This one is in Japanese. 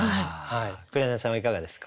紅さんはいかがですか？